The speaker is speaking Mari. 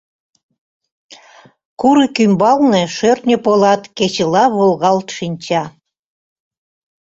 Курык ӱмбалне шӧртньӧ полат кечыла волгалт шинча.